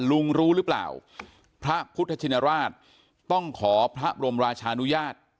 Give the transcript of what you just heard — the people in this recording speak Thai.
รู้หรือเปล่าพระพุทธชินราชต้องขอพระบรมราชานุญาต